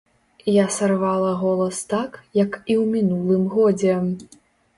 Я сарвала голас так, як і ў мінулым годзе.